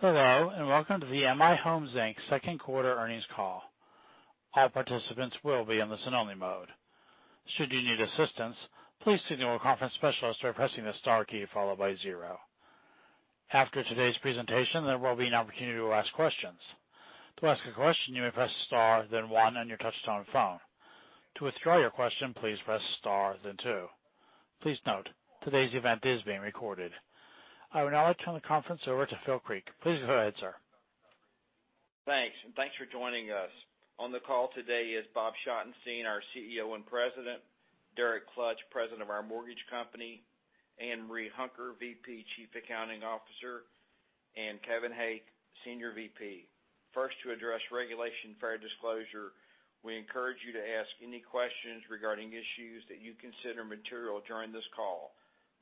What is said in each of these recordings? Hello, and welcome to the M/I Homes, Inc. Second Quarter Earnings Call. All participants will be in listen-only mode. Should you need assistance, please signal a conference specialists by pressing the star key followed by zero. After today's presentation, there will be an opportunity to ask questions. To ask a question, you may press star then one on your touchtone phone. To withdraw your question, please press star then two. Please note, today's event is being recorded. I would now like to turn the conference over to Phil Creek. Please go ahead, sir. Thanks, thanks for joining us. On the call today is Bob Schottenstein, our CEO and President, Derek Klutch, President of our mortgage company, Ann Marie Hunker, VP, Chief Accounting Officer, and Kevin Hake, Senior VP. First, to address Regulation Fair Disclosure, we encourage you to ask any questions regarding issues that you consider material during this call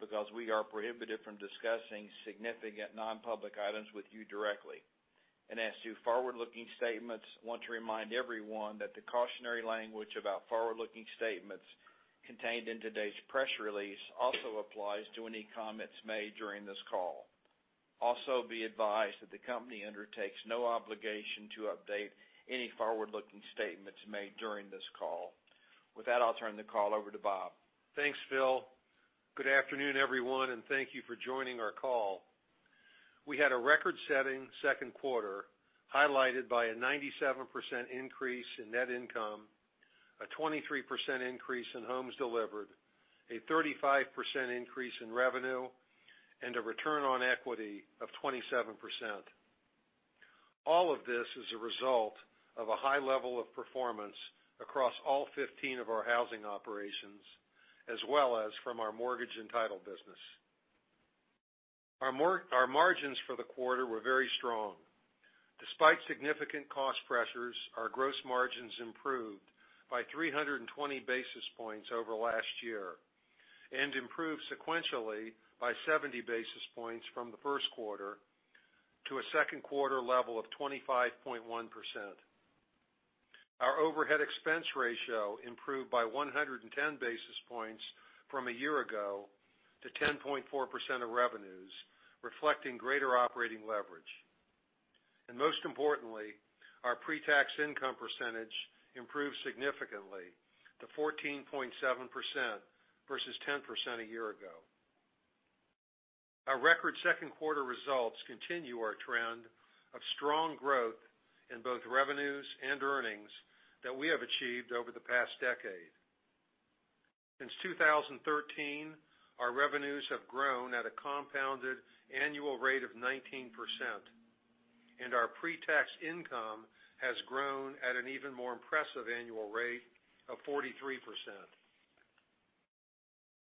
because we are prohibited from discussing significant non-public items with you directly. As to forward-looking statements, we want to remind everyone that the cautionary language about forward-looking statements contained in today's press release also applies to any comments made during this call. Also, be advised that the company undertakes no obligation to update any forward-looking statements made during this call. With that, I'll turn the call over to Bob. Thanks, Phil. Good afternoon, everyone, thank you for joining our call. We had a record-setting second quarter highlighted by a 97% increase in net income, a 23% increase in homes delivered, a 35% increase in revenue, and a return on equity of 27%. All of this is a result of a high level of performance across all 15 of our housing operations, as well as from our mortgage and title business. Our margins for the quarter were very strong. Despite significant cost pressures, our gross margins improved by 320 basis points over last year and improved sequentially by 70 basis points from the first quarter to a second quarter level of 25.1%. Our overhead expense ratio improved by 110 basis points from a year ago to 10.4% of revenues, reflecting greater operating leverage. Most importantly, our pre-tax income percentage improved significantly to 14.7% versus 10% a year ago. Our record second-quarter results continue our trend of strong growth in both revenues and earnings that we have achieved over the past decade. Since 2013, our revenues have grown at a compounded annual rate of 19%, and our pre-tax income has grown at an even more impressive annual rate of 43%.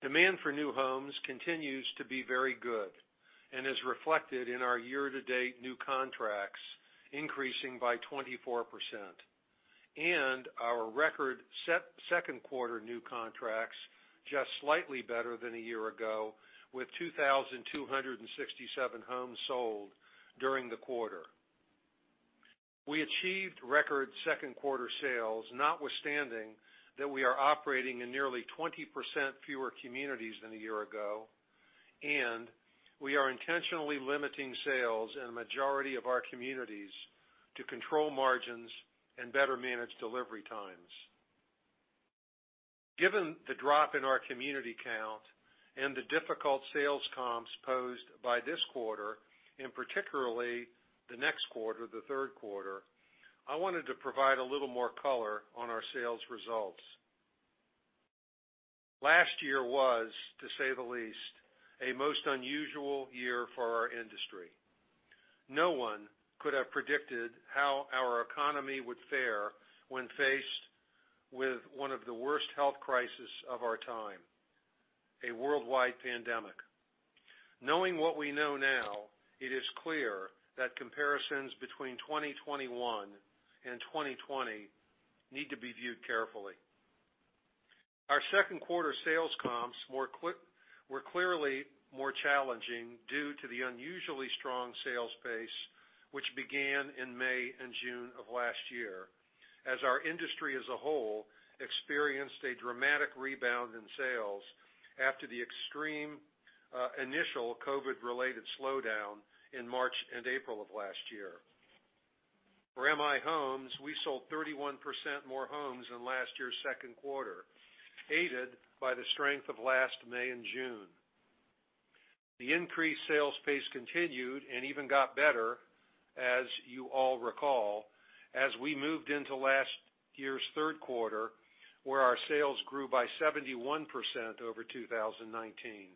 Demand for new homes continues to be very good and is reflected in our year-to-date new contracts increasing by 24%, and our record set second quarter new contracts just slightly better than a year ago, with 2,267 homes sold during the quarter. We achieved record second-quarter sales notwithstanding that we are operating in nearly 20% fewer communities than a year ago, and we are intentionally limiting sales in a majority of our communities to control margins and better manage delivery times. Given the drop in our community count and the difficult sales comps posed by this quarter, and particularly the next quarter, the third quarter, I wanted to provide a little more color on our sales results. Last year was, to say the least, a most unusual year for our industry. No one could have predicted how our economy would fare when faced with one of the worst health crisis of our time, a worldwide pandemic. Knowing what we know now, it is clear that comparisons between 2021 and 2020 need to be viewed carefully. Our second-quarter sales comps were clearly more challenging due to the unusually strong sales pace, which began in May and June of last year, as our industry as a whole experienced a dramatic rebound in sales after the extreme initial COVID-related slowdown in March and April of last year. For M/I Homes, we sold 31% more homes than last year's second quarter, aided by the strength of last May and June. The increased sales pace continued and even got better, as you all recall, as we moved into last year's third quarter, where our sales grew by 71% over 2019.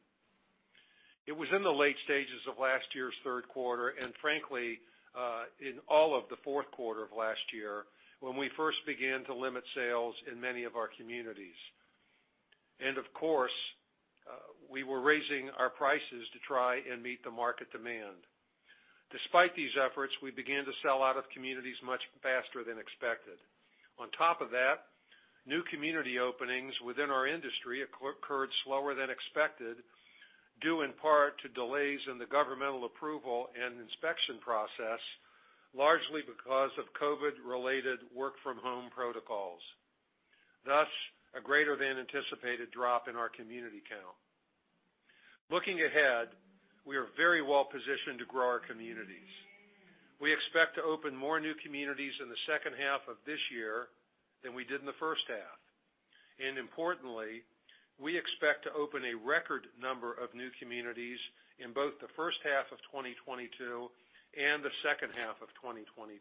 It was in the late stages of last year's third quarter, frankly, in all of the fourth quarter of last year, when we first began to limit sales in many of our communities. Of course, we were raising our prices to try and meet the market demand. Despite these efforts, we began to sell out of communities much faster than expected. On top of that, new community openings within our industry occurred slower than expected, due in part to delays in the governmental approval and inspection process, largely because of COVID-related work-from-home protocols. Thus, a greater than anticipated drop in our community count. Looking ahead, we are very well-positioned to grow our communities. We expect to open more new communities in the second half of this year than we did in the first half. Importantly, we expect to open a record number of new communities in both the first half of 2022 and the second half of 2022,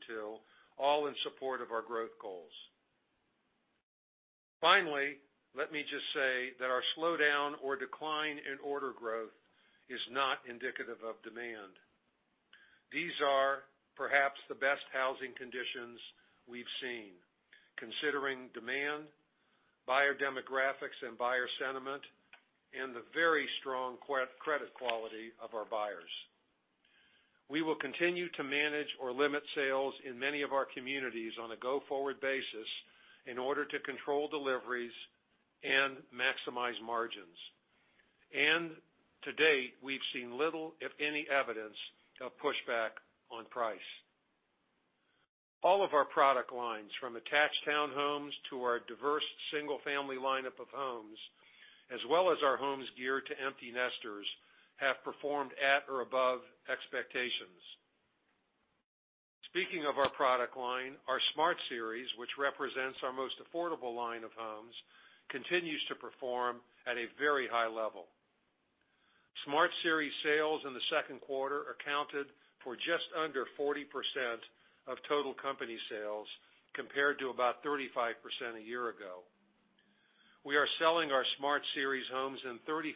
all in support of our growth goals. Finally, let me just say that our slowdown or decline in order growth is not indicative of demand. These are perhaps the best housing conditions we've seen, considering demand, buyer demographics, and buyer sentiment, and the very strong credit quality of our buyers. We will continue to manage or limit sales in many of our communities on a go-forward basis in order to control deliveries and maximize margins. To date, we've seen little, if any, evidence of pushback on price. All of our product lines, from attached townhomes to our diverse single-family lineup of homes, as well as our homes geared to empty nesters, have performed at or above expectations. Speaking of our product line, our Smart Series, which represents our most affordable line of homes, continues to perform at a very high level. Smart Series sales in the second quarter accounted for just under 40% of total company sales, compared to about 35% a year ago. We are selling our Smart Series homes in 35%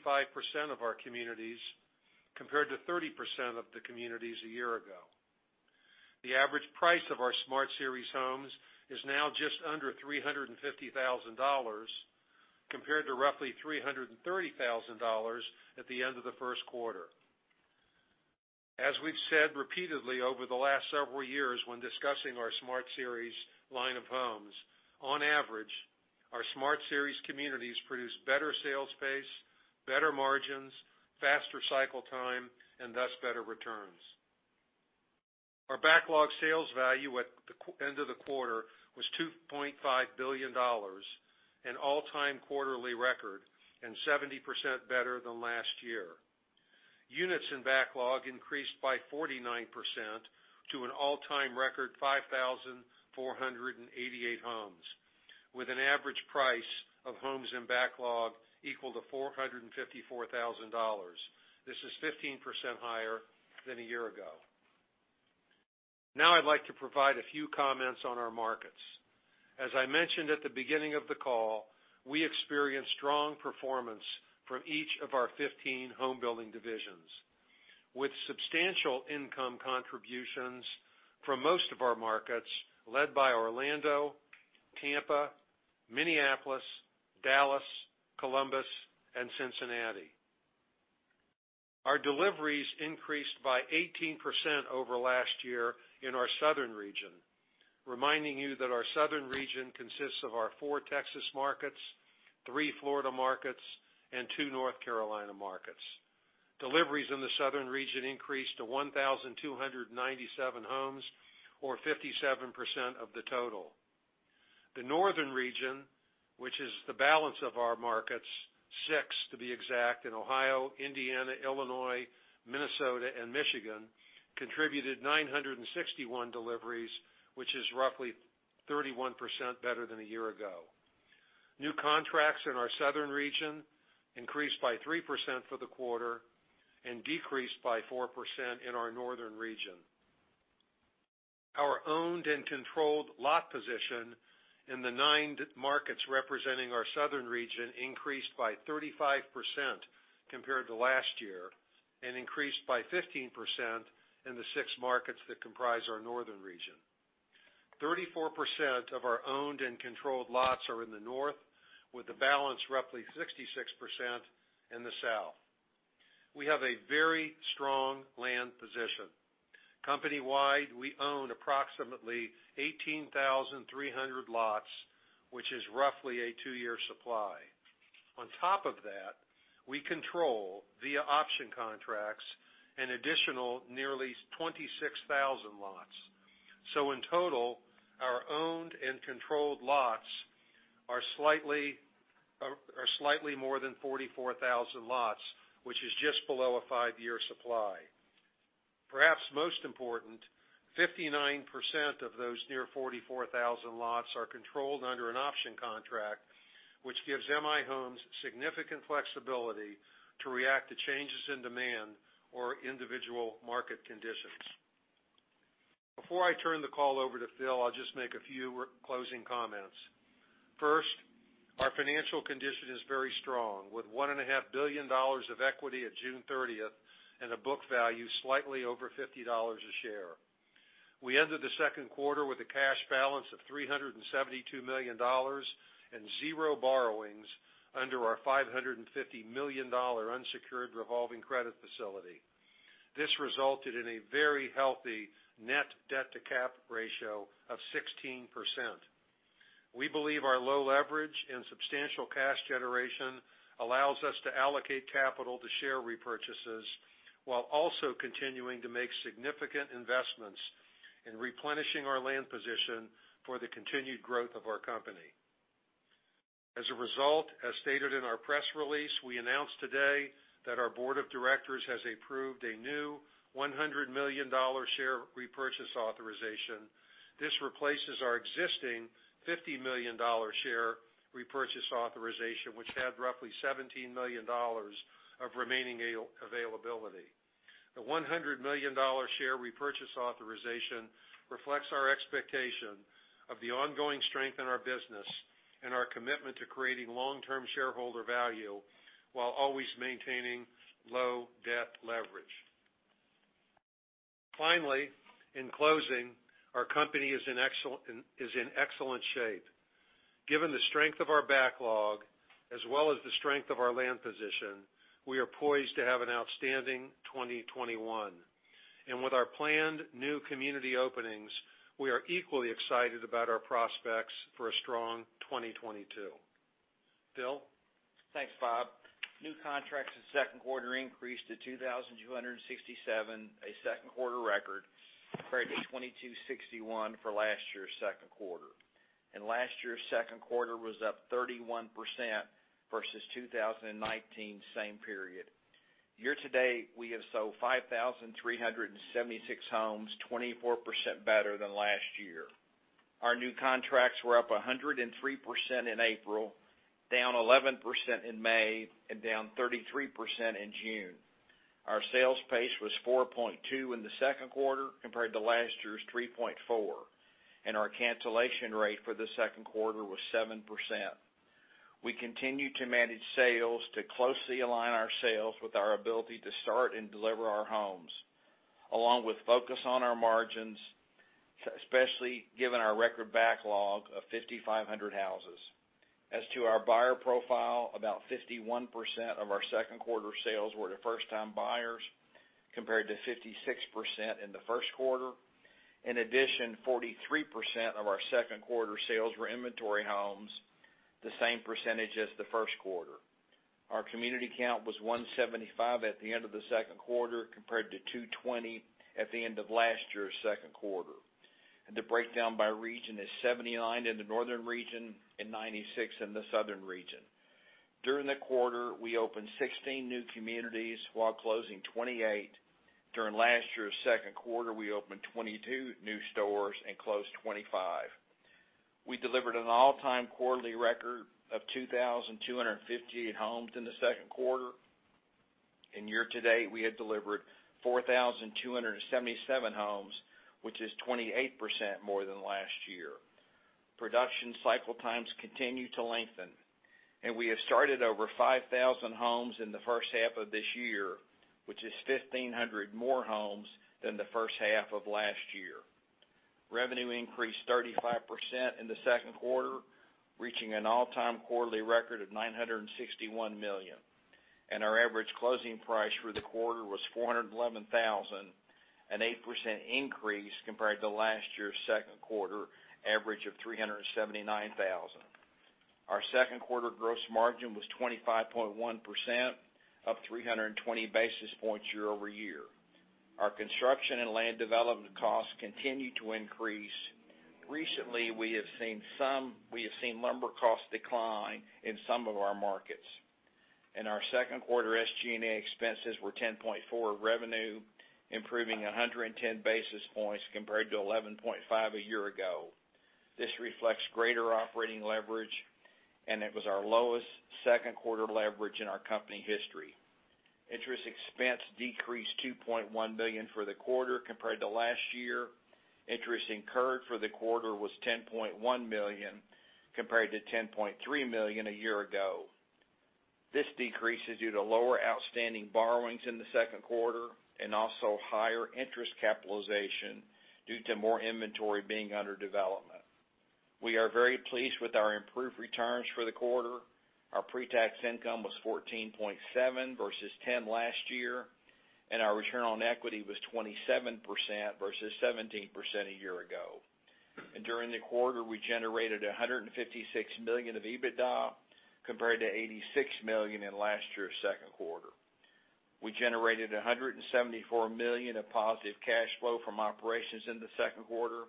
of our communities, compared to 30% of the communities a year ago. The average price of our Smart Series homes is now just under $350,000, compared to roughly $330,000 at the end of the first quarter. We've said repeatedly over the last several years when discussing our Smart Series line of homes, on average, our Smart Series communities produce better sales pace, better margins, faster cycle time, and thus better returns. Our backlog sales value at the end of the quarter was $2.5 billion, an all-time quarterly record and 70% better than last year. Units in backlog increased by 49% to an all-time record 5,488 homes, with an average price of homes in backlog equal to $454,000. This is 15% higher than a year ago. I'd like to provide a few comments on our markets. As I mentioned at the beginning of the call, we experienced strong performance from each of our 15 home building divisions, with substantial income contributions from most of our markets, led by Orlando, Tampa, Minneapolis, Dallas, Columbus, and Cincinnati. Our deliveries increased by 18% over last year in our Southern region, reminding you that our Southern region consists of our four Texas markets, three Florida markets, and two North Carolina markets. Deliveries in the Southern region increased to 1,297 homes or 57% of the total. The Northern region, which is the balance of our markets, six to be exact, in Ohio, Indiana, Illinois, Minnesota, and Michigan, contributed 961 deliveries, which is roughly 31% better than a year ago. New contracts in our Southern region increased by 3% for the quarter and decreased by 4% in our Northern region. Our owned and controlled lot position in the nine markets representing our Southern region increased by 35% compared to last year and increased by 15% in the six markets that comprise our Northern region. 34% of our owned and controlled lots are in the North, with the balance roughly 66% in the South. We have a very strong land position. Company-wide, we own approximately 18,300 lots, which is roughly a two-year supply. On top of that, we control, via option contracts, an additional nearly 26,000 lots. In total, our owned and controlled lots are slightly more than 44,000 lots, which is just below a five-year supply. Perhaps most important, 59% of those near 44,000 lots are controlled under an option contract, which gives M/I Homes significant flexibility to react to changes in demand or individual market conditions. Before I turn the call over to Phil, I'll just make a few closing comments. First, our financial condition is very strong, with $1.5 billion of equity at June 30th and a book value slightly over $50 a share. We ended the second quarter with a cash balance of $372 million and zero borrowings under our $550 million unsecured revolving credit facility. This resulted in a very healthy net debt-to-cap ratio of 16%. We believe our low leverage and substantial cash generation allows us to allocate capital to share repurchases while also continuing to make significant investments in replenishing our land position for the continued growth of our company. As a result, as stated in our press release, we announced today that our board of directors has approved a new $100 million share repurchase authorization. This replaces our existing $50 million share repurchase authorization, which had roughly $17 million of remaining availability. The $100 million share repurchase authorization reflects our expectation of the ongoing strength in our business and our commitment to creating long-term shareholder value while always maintaining low debt leverage. Finally, in closing, our company is in excellent shape. Given the strength of our backlog, as well as the strength of our land position, we are poised to have an outstanding 2021. With our planned new community openings, we are equally excited about our prospects for a strong 2022. Phil? Thanks, Bob. New contracts in second quarter increased to 2,267, a second quarter record, compared to 2,261 for last year's second quarter. Last year's second quarter was up 31% versus 2019, same period. Year to date, we have sold 5,376 homes, 24% better than last year. Our new contracts were up 103% in April, down 11% in May, and down 33% in June. Our sales pace was 4.2 in the second quarter compared to last year's 3.4. Our cancellation rate for the second quarter was 7%. We continue to manage sales to closely align our sales with our ability to start and deliver our homes, along with focus on our margins, especially given our record backlog of 5,500 houses. As to our buyer profile, about 51% of our second quarter sales were to first-time buyers, compared to 56% in the first quarter. In addition, 43% of our second quarter sales were inventory homes, the same percentage as the first quarter. Our community count was 175 at the end of the second quarter, compared to 220 at the end of last year's second quarter. The breakdown by region is 79 in the northern region and 96 in the southern region. During the quarter, we opened 16 new communities while closing 28. During last year's second quarter, we opened 22 new stores and closed 25. We delivered an all-time quarterly record of 2,258 homes in the second quarter. Year to date, we had delivered 4,277 homes, which is 28% more than last year. Production cycle times continue to lengthen, and we have started over 5,000 homes in the first half of this year, which is 1,500 more homes than the first half of last year. Revenue increased 35% in the second quarter, reaching an all-time quarterly record of $961 million. Our average closing price for the quarter was $411,000, an 8% increase compared to last year's second quarter average of $379,000. Our second quarter gross margin was 25.1%, up 320 basis points year-over-year. Our construction and land development costs continue to increase. Recently, we have seen lumber costs decline in some of our markets. Our second quarter SG&A expenses were 10.4% revenue, improving 110 basis points compared to 11.5% a year ago. This reflects greater operating leverage, and it was our lowest second quarter leverage in our company history. Interest expense decreased to $2.1 million for the quarter compared to last year. Interest incurred for the quarter was $10.1 million compared to $10.3 million a year ago. This decrease is due to lower outstanding borrowings in the second quarter and also higher interest capitalization due to more inventory being under development. We are very pleased with our improved returns for the quarter. Our pre-tax income was 14.7 versus 10 last year, and our return on equity was 27% versus 17% a year ago. During the quarter, we generated $156 million of EBITDA compared to $86 million in last year's second quarter. We generated $174 million of positive cash flow from operations in the second quarter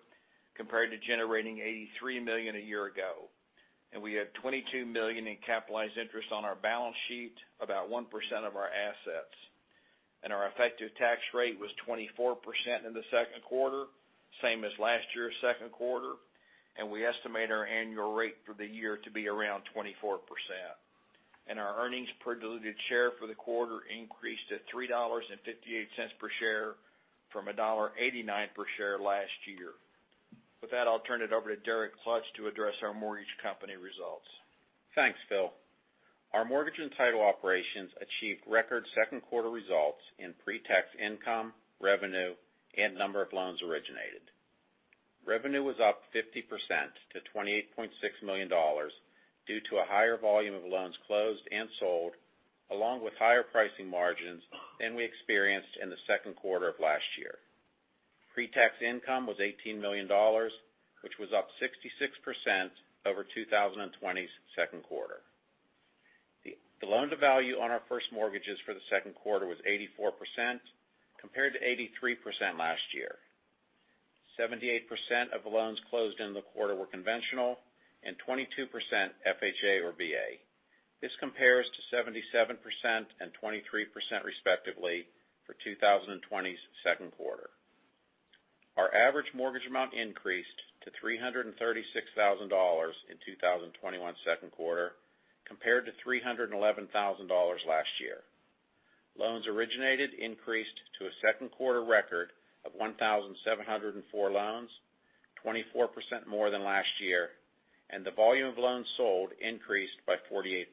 compared to generating $83 million a year ago. We had $22 million in capitalized interest on our balance sheet, about 1% of our assets. Our effective tax rate was 24% in the second quarter, same as last year's second quarter, and we estimate our annual rate for the year to be around 24%. Our earnings per diluted share for the quarter increased to $3.58 per share from $1.89 per share last year. With that, I'll turn it over to Derek Klutch to address our mortgage company results. Thanks, Phil. Our mortgage and title operations achieved record second quarter results in pre-tax income, revenue, and number of loans originated. Revenue was up 50% to $28.6 million due to a higher volume of loans closed and sold, along with higher pricing margins than we experienced in the second quarter of last year. Pre-tax income was $18 million, which was up 66% over 2020's second quarter. The loan-to-value on our first mortgages for the second quarter was 84%, compared to 83% last year. 78% of loans closed in the quarter were conventional and 22% FHA or VA. This compares to 77% and 23%, respectively, for 2020's second quarter. Our average mortgage amount increased to $336,000 in 2021's second quarter, compared to $311,000 last year. Loans originated increased to a second quarter record of 1,704 loans, 24% more than last year, and the volume of loans sold increased by 48%.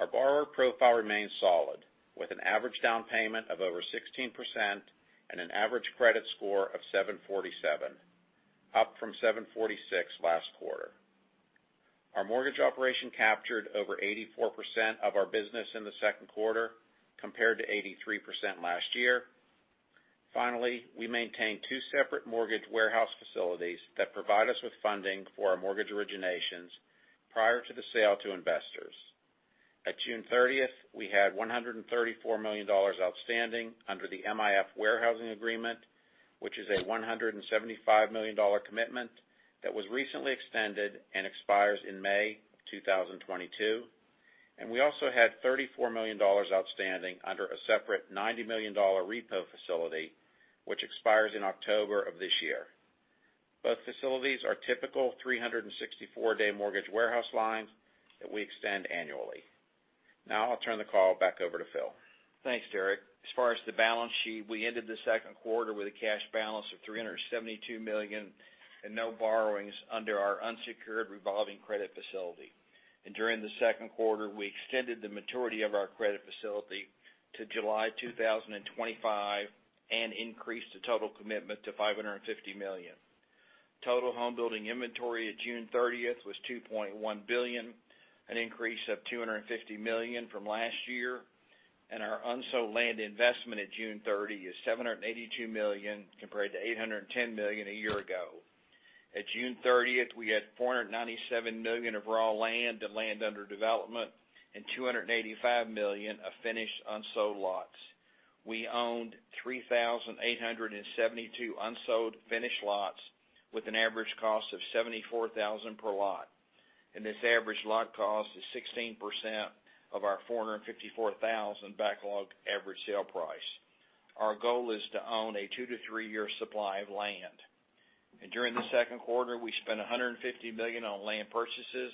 Our borrower profile remains solid, with an average down payment of over 16% and an average credit score of 747, up from 746 last quarter. Our mortgage operation captured over 84% of our business in the second quarter, compared to 83% last year. Finally, we maintain two separate mortgage warehouse facilities that provide us with funding for our mortgage originations prior to the sale to investors. At June 30th, we had $134 million outstanding under the MIF warehousing agreement, which is a $175 million commitment that was recently extended and expires in May 2022. We also had $34 million outstanding under a separate $90 million repo facility, which expires in October of this year. Both facilities are typical 364-day mortgage warehouse lines that we extend annually. Now I'll turn the call back over to Phil. Thanks, Derek. As far as the balance sheet, we ended the second quarter with a cash balance of $372 million and no borrowings under our unsecured revolving credit facility. During the second quarter, we extended the maturity of our credit facility to July 2025 and increased the total commitment to $550 million. Total home building inventory at June 30th was $2.1 billion, an increase of $250 million from last year, and our unsold land investment at June 30 is $782 million, compared to $810 million a year ago. At June 30th, we had $497 million of raw land and land under development and $285 million of finished unsold lots. We owned 3,872 unsold finished lots with an average cost of $74,000 per lot, and this average lot cost is 16% of our $454,000 backlog average sale price. Our goal is to own a two-three-year supply of land. During the second quarter, we spent $150 million on land purchases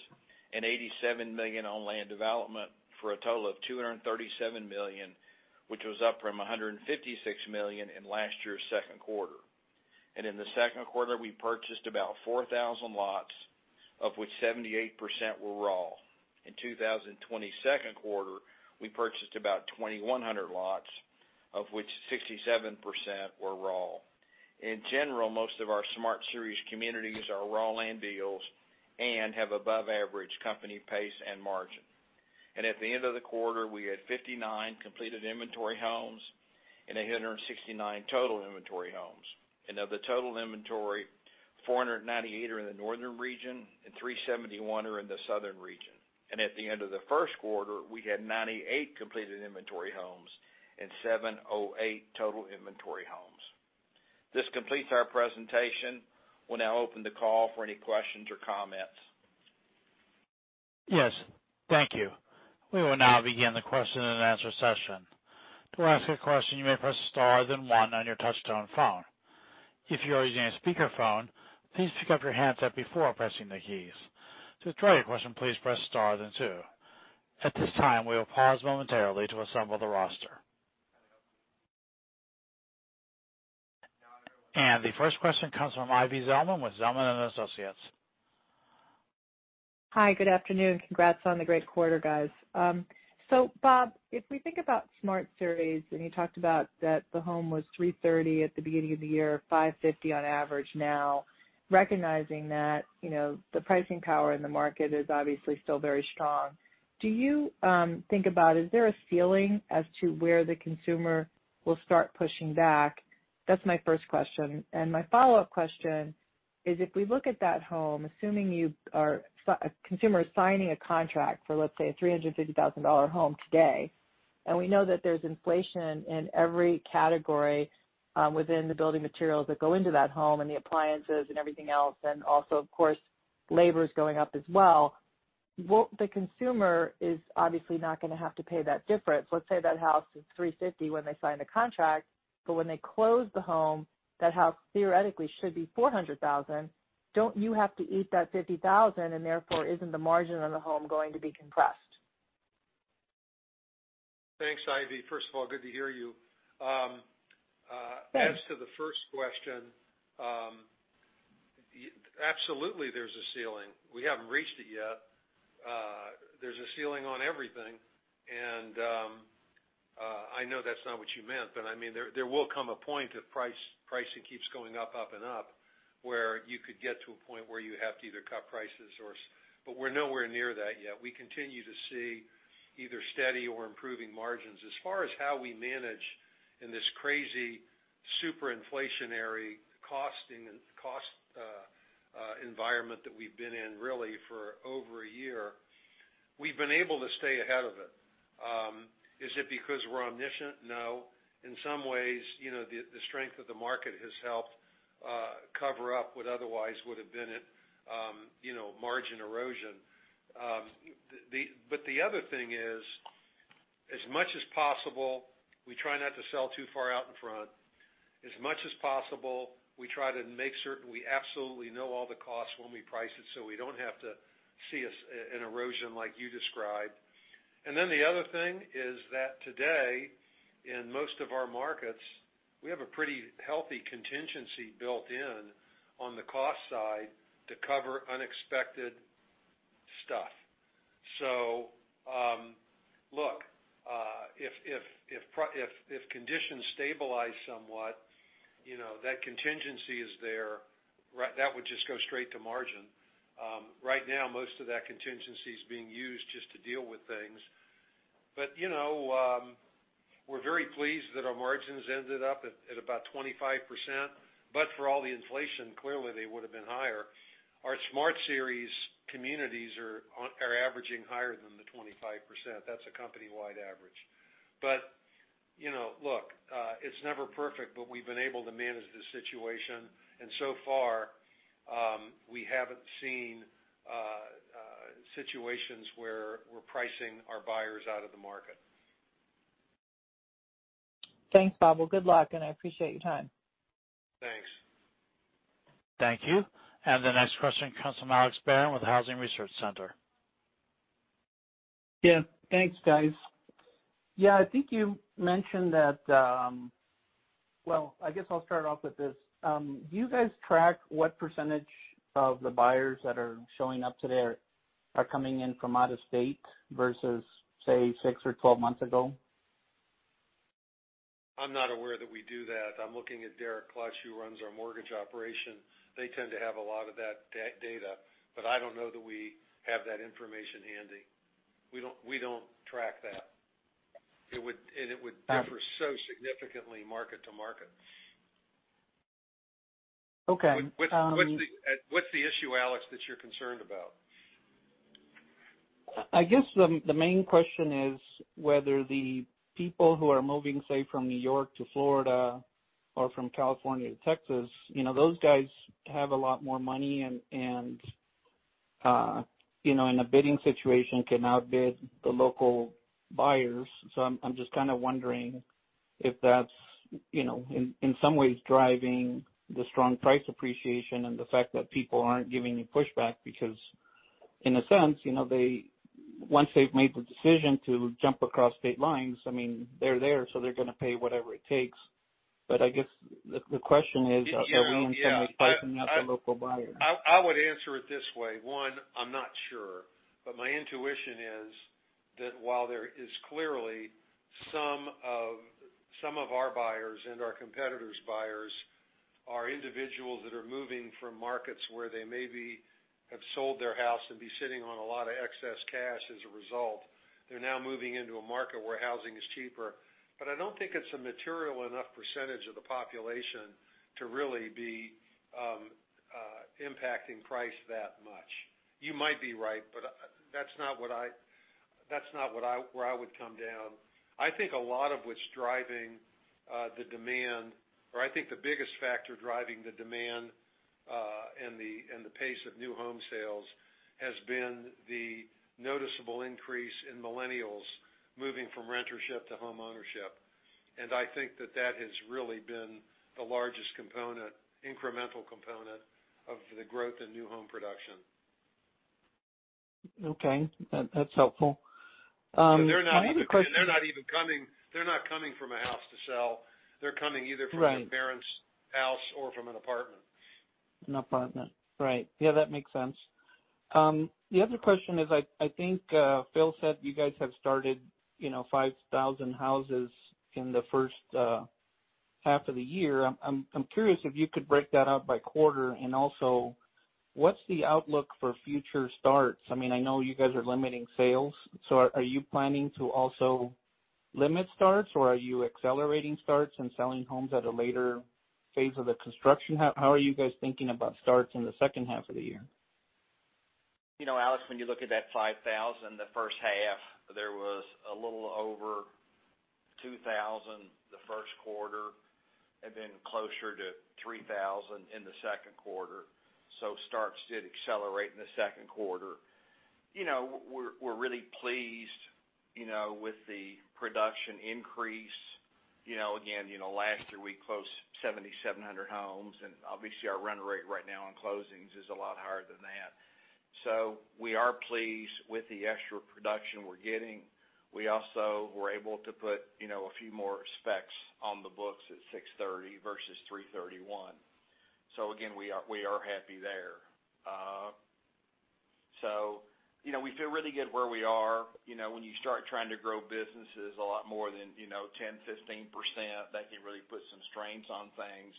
and $87 million on land development for a total of $237 million, which was up from $156 million in last year's second quarter. In the second quarter, we purchased about 4,000 lots, of which 78% were raw. In 2020's second quarter, we purchased about 2,100 lots, of which 67% were raw. In general, most of our Smart Series communities are raw land deals and have above-average company pace and margin. At the end of the quarter, we had 59 completed inventory homes and 869 total inventory homes. Of the total inventory, 498 are in the northern region and 371 are in the southern region. At the end of the first quarter, we had 98 completed inventory homes and 708 total inventory homes. This completes our presentation. We'll now open the call for any questions or comments. Yes. Thank you. We will now begin the question-and-answer session. To ask a question, you may press star then one on your touch-tone phone. If you are using a speakerphone, please pick up your handset before pressing the keys. To withdraw your question, please press star then two. At this time, we will pause momentarily to assemble the roster. And the first question comes from Ivy Zelman with Zelman & Associates. Hi, good afternoon. Congrats on the great quarter, guys. Bob, if we think about Smart Series, and you talked about that the home was 330 at the beginning of the year, 550 on average now. Recognizing that the pricing power in the market is obviously still very strong, do you think about, is there a ceiling as to where the consumer will start pushing back? That's my first question. My follow-up question is, if we look at that home, assuming a consumer is signing a contract for, let's say, a $350,000 home today, and we know that there's inflation in every category within the building materials that go into that home and the appliances and everything else, and also, of course, labor is going up as well. The consumer is obviously not going to have to pay that difference. Let's say that house is $350 when they sign the contract, but when they close the home, that house theoretically should be $400,000. Don't you have to eat that $50,000, and therefore, isn't the margin on the home going to be compressed? Thanks, Ivy. First of all, good to hear you. Thanks. As to the first question, absolutely there's a ceiling. We haven't reached it yet. There's a ceiling on everything. I know that's not what you meant, there will come a point if pricing keeps going up and up where you could get to a point where you have to either cut prices. We're nowhere near that yet. We continue to see either steady or improving margins. As far as how we manage in this crazy, super inflationary costing and cost environment that we've been in, really, for over a year, we've been able to stay ahead of it. Is it because we're omniscient? No. In some ways, the strength of the market has helped cover up what otherwise would've been a margin erosion. The other thing is, as much as possible, we try not to sell too far out in front. As much as possible, we try to make certain we absolutely know all the costs when we price it, so we don't have to see an erosion like you described. The other thing is that today, in most of our markets, we have a pretty healthy contingency built in on the cost side to cover unexpected stuff. Look, if conditions stabilize somewhat, that contingency is there. That would just go straight to margin. Right now, most of that contingency is being used just to deal with things. We're very pleased that our margins ended up at about 25%, but for all the inflation, clearly they would've been higher. Our Smart Series communities are averaging higher than the 25%. That's a company-wide average. Look, it's never perfect, but we've been able to manage the situation, and so far, we haven't seen situations where we're pricing our buyers out of the market. Thanks, Bob. Well, good luck. I appreciate your time. Thanks. Thank you. The next question comes from Alex Barron with Housing Research Center. Yeah. Thanks, guys. Well, I guess I'll start off with this. Do you guys track what % of the buyers that are showing up today are coming in from out of state versus, say, 6 or 12 months ago? I'm not aware that we do that. I'm looking at Derek Klutch, who runs our mortgage operation. They tend to have a lot of that data, but I don't know that we have that information handy. We don't track that. It would differ so significantly market to market. Okay. What's the issue, Alex, that you're concerned about? I guess the main question is whether the people who are moving, say, from New York to Florida or from California to Texas, those guys have a lot more money, and in a bidding situation can outbid the local buyers. I'm just kind of wondering if that's, in some ways, driving the strong price appreciation and the fact that people aren't giving any pushback because in a sense, once they've made the decision to jump across state lines, they're there, so they're going to pay whatever it takes. I guess the question is. Yeah Are we in some ways pricing out the local buyer? I would answer it this way. One, I'm not sure, but my intuition is that while there is clearly some of our buyers and our competitors' buyers are individuals that are moving from markets where they maybe have sold their house and be sitting on a lot of excess cash as a result. They're now moving into a market where housing is cheaper. I don't think it's a material enough percentage of the population to really be impacting price that much. You might be right, but that's not where I would come down. I think a lot of what's driving the demand, or I think the biggest factor driving the demand, and the pace of new home sales has been the noticeable increase in millennials moving from rentership to homeownership. I think that that has really been the largest component, incremental component of the growth in new home production. Okay. That's helpful. My other question. They're not even coming from a house to sell. They're coming either from. Right Their parents' house or from an apartment. An apartment. Right. Yeah, that makes sense. The other question is, I think Phil said you guys have started 5,000 houses in the first half of the year. I'm curious if you could break that out by quarter, and also, what's the outlook for future starts? I know you guys are limiting sales, so are you planning to also limit starts, or are you accelerating starts and selling homes at a later phase of the construction? How are you guys thinking about starts in the second half of the year? Alex, when you look at that 5,000 the first half, there was a little over 2,000 the first quarter, and then closer to 3,000 in the second quarter. starts did accelerate in the second quarter. We're really pleased with the production increase. Again, last year we closed 7,700 homes, and obviously our run rate right now on closings is a lot higher than that. We are pleased with the extra production we're getting. We also were able to put a few more specs on the books at 630 versus 331. Again, we are happy there. We feel really good where we are. When you start trying to grow businesses a lot more than 10%-15%, that can really put some strains on things.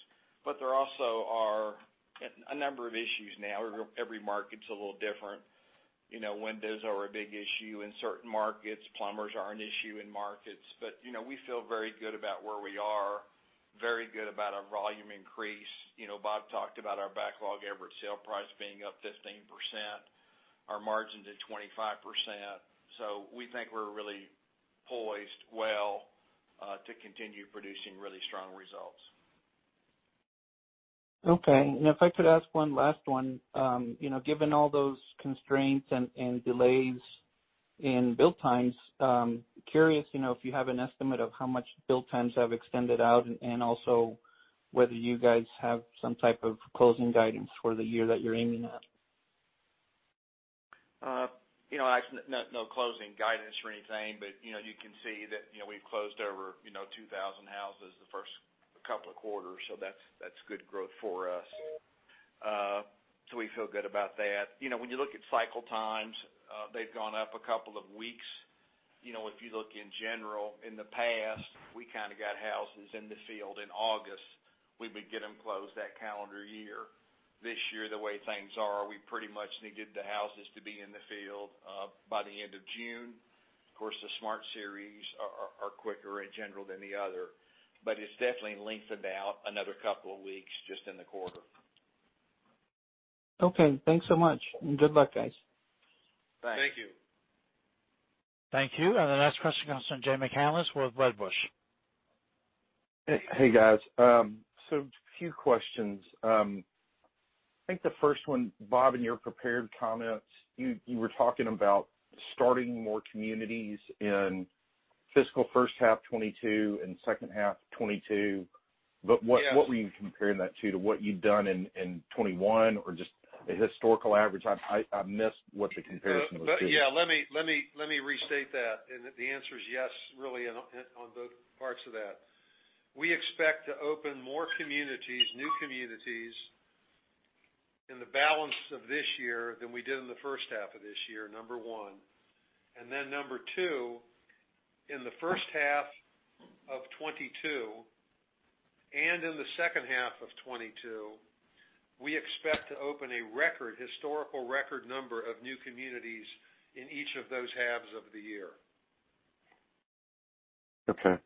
There also are a number of issues now. Every market's a little different. Windows are a big issue in certain markets. Plumbers are an issue in markets. We feel very good about where we are, very good about our volume increase. Bob talked about our backlog average sale price being up 15%, our margins at 25%. We think we're really poised well to continue producing really strong results. Okay. If I could ask one last one. Given all those constraints and delays in build times, I'm curious if you have an estimate of how much build times have extended out, and also whether you guys have some type of closing guidance for the year that you're aiming at. Actually, no closing guidance or anything, but you can see that we've closed over 2,000 houses the first couple of quarters. That's good growth for us. We feel good about that. When you look at cycle times, they've gone up a couple of weeks. If you look in general, in the past, we got houses in the field in August. We would get them closed that calendar year. This year, the way things are, we pretty much needed the houses to be in the field by the end of June. Of course, the Smart Series are quicker in general than the other, but it's definitely lengthened out another couple weeks just in the quarter. Okay. Thanks so much, and good luck, guys. Thanks. Thank you. Thank you. The next question comes from Jay McCanless with Wedbush. Hey, guys. A few questions. I think the first one, Bob, in your prepared comments, you were talking about starting more communities in fiscal first half 2022 and second half 2022. Yes. What were you comparing that to? To what you'd done in 2021 or just a historical average? I missed what the comparison was to. Yeah. Let me restate that. The answer is yes, really, on both parts of that. We expect to open more communities, new communities, in the balance of this year than we did in the first half of this year, number one. Number two, in the first half of 2022 and in the second half of 2022, we expect to open a historical record number of new communities in each of those halves of the year. Okay.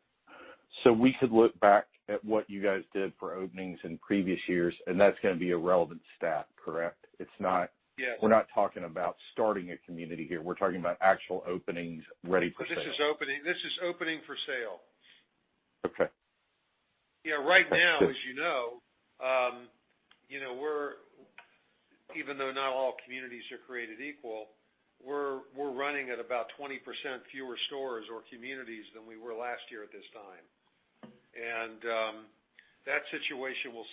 We could look back at what you guys did for openings in previous years, and that's going to be a relevant stat, correct? Yes. We're not talking about starting a community here. We're talking about actual openings ready for sale. This is opening for sale. Okay. Yeah. Right now, as you know, even though not all communities are created equal, we're running at about 20% fewer stores or communities than we were last year at this time. That situation will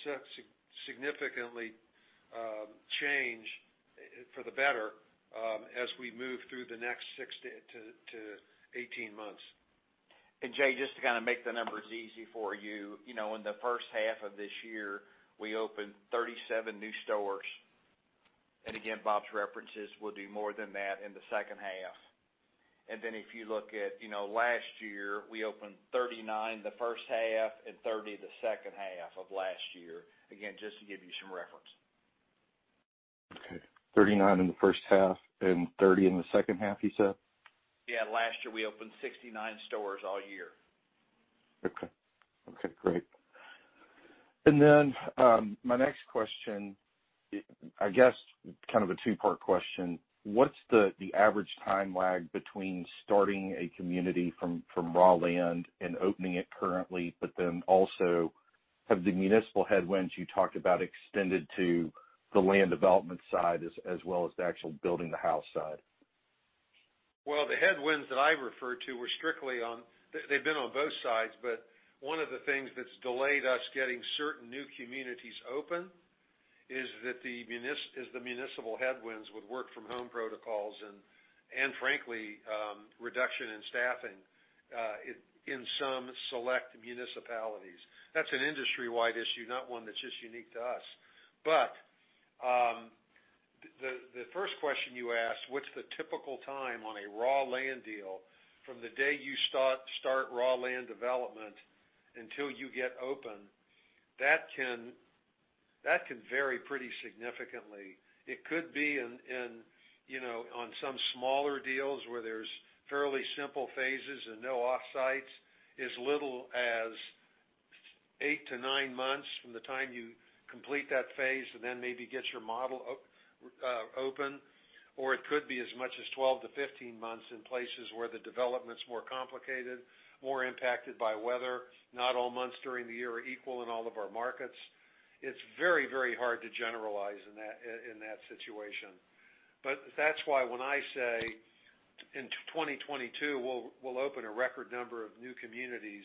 significantly change for the better as we move through the next 6-18 months. Jay, just to make the numbers easy for you, in the first half of this year, we opened 37 new stores. Again, Bob's reference is we'll do more than that in the second half. Then if you look at last year, we opened 39 the first half and 30 the second half of last year. Again, just to give you some reference. Okay. 39 in the first half and 30 in the second half, you said? Yeah, last year we opened 69 stores all year. Okay. Great. My next question, I guess kind of a two-part question. What's the average time lag between starting a community from raw land and opening it currently? Also, have the municipal headwinds you talked about extended to the land development side as well as the actual building the house side? Well, the headwinds that I referred to were strictly on They've been on both sides, but one of the things that's delayed us getting certain new communities open is the municipal headwinds with work from home protocols and frankly, reduction in staffing in some select municipalities. That's an industry-wide issue, not one that's just unique to us. The first question you asked, what's the typical time on a raw land deal from the day you start raw land development until you get open? That can vary pretty significantly. It could be on some smaller deals where there's fairly simple phases and no off-sites, as little as eight-nine months from the time you complete that phase and then maybe get your model open, or it could be as much as 12-15 months in places where the development's more complicated, more impacted by weather. Not all months during the year are equal in all of our markets. It's very hard to generalize in that situation. That's why when I say in 2022, we'll open a record number of new communities,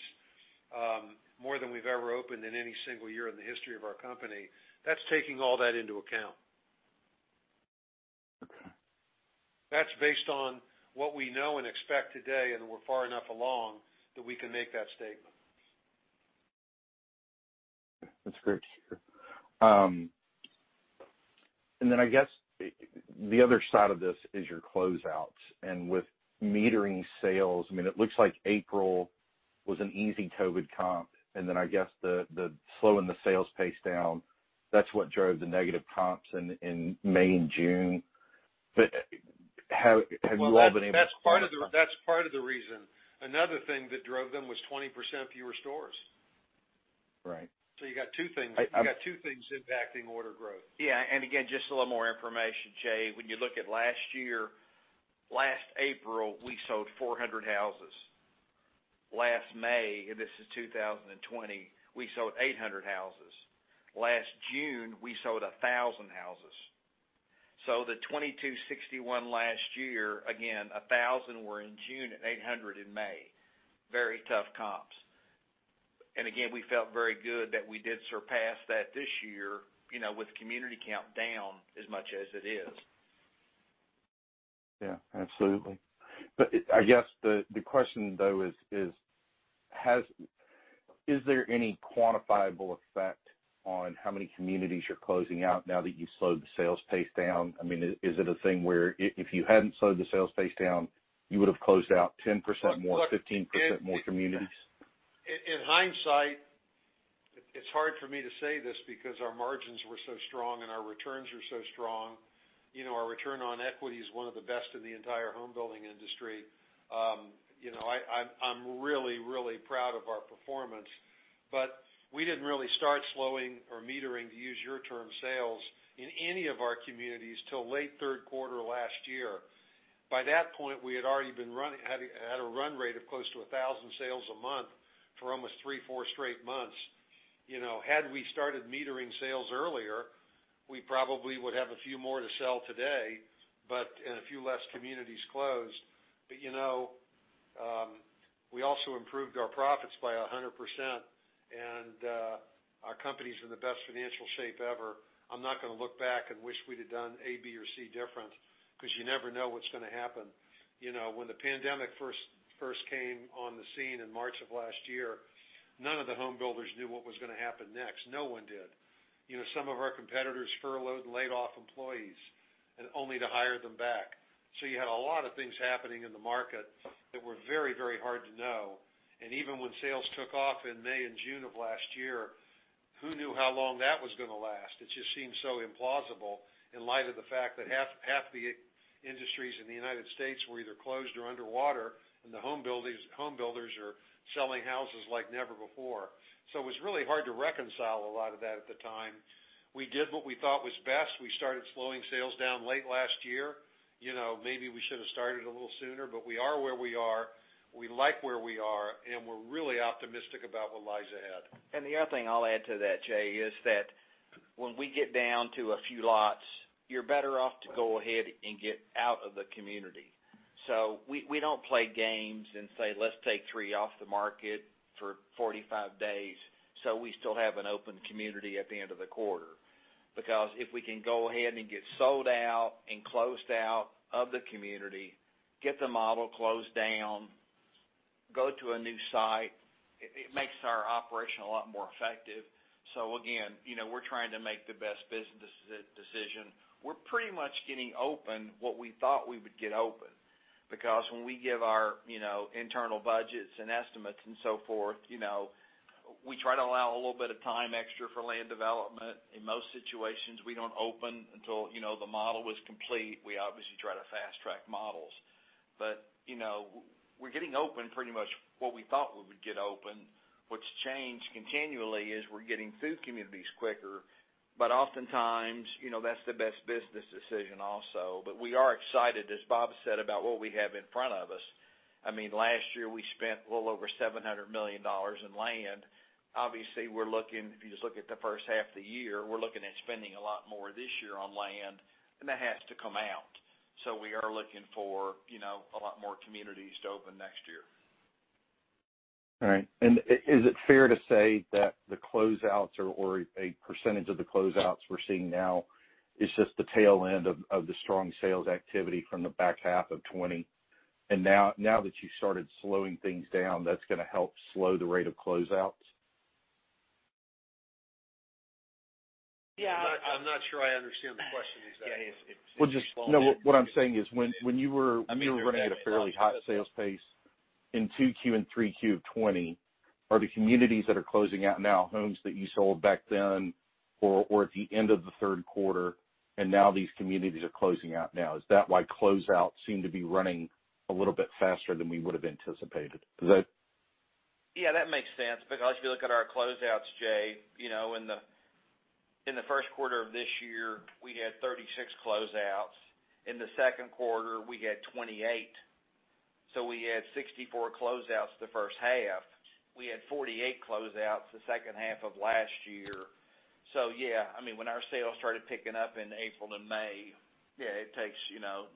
more than we've ever opened in any single year in the history of our company, that's taking all that into account. Okay. That's based on what we know and expect today. We're far enough along that we can make that statement. That's great to hear. I guess the other side of this is your closeouts, and with metering sales, it looks like April was an easy COVID comp, I guess the slowing the sales pace down, that's what drove the negative comps in May and June. Have you Well, that's part of the reason. Another thing that drove them was 20% fewer stores. Right. You got two things impacting order growth. Yeah. Again, just a little more information, Jay. When you look at last year, last April, we sold 400 houses. Last May, this is 2020, we sold 800 houses. Last June, we sold 1,000 houses. The 2,261 last year, again, 1,000 were in June and 800 in May. Very tough comps. Again, we felt very good that we did surpass that this year, with community count down as much as it is. Yeah, absolutely. I guess the question, though, is there any quantifiable effect on how many communities you're closing out now that you've slowed the sales pace down? Is it a thing where if you hadn't slowed the sales pace down, you would've closed out 10% more, 15% more communities? In hindsight, it's hard for me to say this because our margins were so strong, and our returns were so strong. Our return on equity is one of the best in the entire home building industry. We didn't really start slowing or metering, to use your term, sales in any of our communities till late third quarter last year. By that point, we had a run rate of close to 1,000 sales a month for almost three, four straight months. Had we started metering sales earlier, we probably would have a few more to sell today, and a few less communities closed. We also improved our profits by 100%, and our company's in the best financial shape ever. I'm not going to look back and wish we'd have done A, B, or C different, because you never know what's going to happen. When the pandemic first came on the scene in March of last year, none of the home builders knew what was going to happen next. No one did. Some of our competitors furloughed and laid off employees, only to hire them back. You had a lot of things happening in the market that were very, very hard to know. Even when sales took off in May and June of last year, who knew how long that was going to last? It just seemed so implausible in light of the fact that half the industries in the U.S. were either closed or underwater, and the home builders are selling houses like never before. It was really hard to reconcile a lot of that at the time. We did what we thought was best. We started slowing sales down late last year. Maybe we should've started a little sooner. We are where we are, we like where we are, and we're really optimistic about what lies ahead. The other thing I'll add to that, Jay, is that when we get down to a few lots, you're better off to go ahead and get out of the community. We don't play games and say, "Let's take three off the market for 45 days so we still have an open community at the end of the quarter." If we can go ahead and get sold out and closed out of the community, get the model closed down, go to a new site, it makes our operation a lot more effective. Again, we're trying to make the best business decision. We're pretty much getting open what we thought we would get open, because when we give our internal budgets and estimates and so forth, we try to allow a little bit of time extra for land development. In most situations, we don't open until the model was complete. We obviously try to fast-track models. We're getting open pretty much what we thought we would get open. What's changed continually is we're getting through communities quicker, but oftentimes, that's the best business decision also. We are excited, as Bob said, about what we have in front of us. Last year, we spent a little over $700 million in land. Obviously, if you just look at the first half of the year, we're looking at spending a lot more this year on land, and that has to come out. We are looking for a lot more communities to open next year. All right. Is it fair to say that the closeouts or a percentage of the closeouts we're seeing now is just the tail end of the strong sales activity from the back half of 2020, and now that you started slowing things down, that's going to help slow the rate of closeouts? Yeah. I'm not sure I understand the question, exactly. Well, just what I'm saying is when you. I mean, hot sales pace in Q2 and Q3 of 2020. Are the communities that are closing out now homes that you sold back then, or at the end of the third quarter, and now these communities are closing out now? Is that why closeouts seem to be running a little bit faster than we would've anticipated? Yeah, that makes sense, because if you look at our closeouts, Jay, in the first quarter of this year, we had 36 closeouts. In the second quarter, we had 28. We had 64 closeouts the first half. We had 48 closeouts the second half of last year. Yeah, when our sales started picking up in April and May, it takes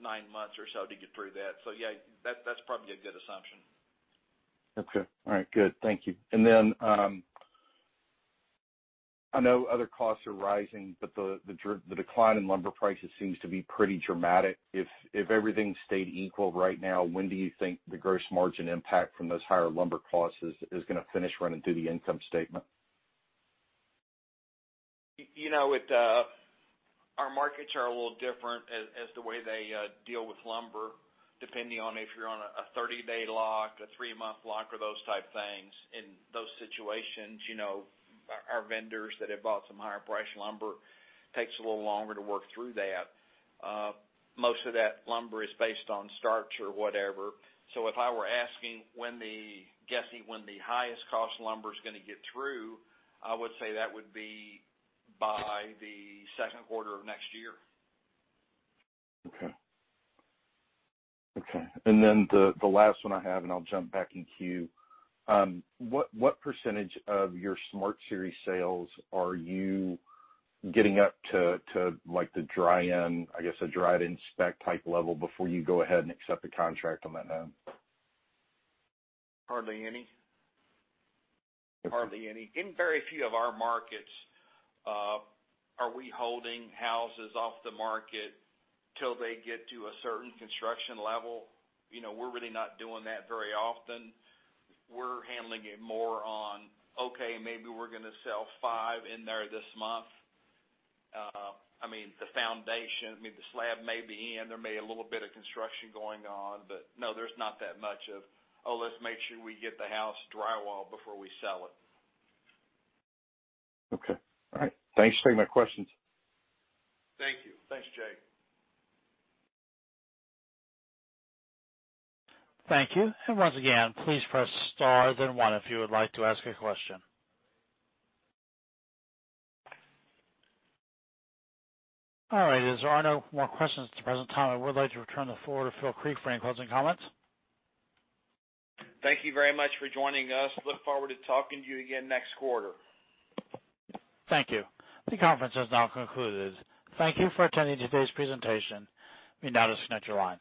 nine months or so to get through that. Yeah, that's probably a good assumption. Okay. All right, good. Thank you. I know other costs are rising, but the decline in lumber prices seems to be pretty dramatic. If everything stayed equal right now, when do you think the gross margin impact from those higher lumber costs is going to finish running through the income statement? Our markets are a little different as the way they deal with lumber, depending on if you're on a 30-day lock, a three-month lock, or those type things. In those situations, our vendors that have bought some higher priced lumber, takes a little longer to work through that. Most of that lumber is based on starts or whatever. If I were asking, guessing when the highest cost lumber's going to get through, I would say that would be by the second quarter of next year. Okay. The last one I have, I'll jump back in queue. What percentage of your Smart Series sales are you getting up to the dry-in, I guess, a dry-in stage type level before you go ahead and accept a contract on that home? Hardly any. In very few of our markets are we holding houses off the market till they get to a certain construction level. We're really not doing that very often. We're handling it more on, okay, maybe we're going to sell five in there this month. The foundation, the slab may be in, there may be a little bit of construction going on, but no, there's not that much of, oh, let's make sure we get the house drywalled before we sell it. Okay. All right. Thanks for taking my questions. Thank you. Thanks, Jay. Thank you. Once again, please press star one if you would like to ask a question. All right. As there are no more questions at the present time, I would like to return the floor to Phil Creek for closing comments. Thank you very much for joining us. Look forward to talking to you again next quarter. Thank you. The conference has now concluded. Thank you for attending today's presentation. You may now disconnect your line.